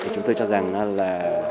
chúng tôi cho rằng là